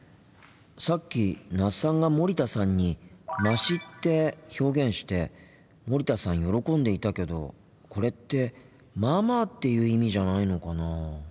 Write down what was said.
さっき那須さんが森田さんに「まし」って表現して森田さん喜んでいたけどこれって「まあまあ」っていう意味じゃないのかなあ。